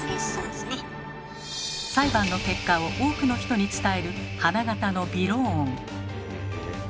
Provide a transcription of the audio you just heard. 裁判の結果を多くの人に伝える花形の「びろーん」。